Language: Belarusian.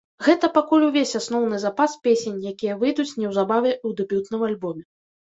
Гэта пакуль увесь асноўны запас песень, якія выйдуць неўзабаве ў дэбютным альбоме.